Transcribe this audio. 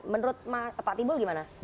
menurut pak tibul gimana